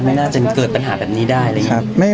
ไม่น่าจะเกิดปัญหาแบบนี้ได้อะไรอย่างนี้